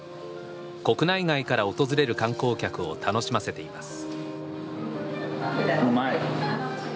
国内外から訪れる観光客を楽しませています。